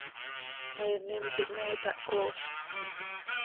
¿Meenim quih me tahcooz?